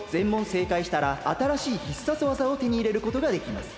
せいかいしたらあたらしい必殺技をてにいれることができます。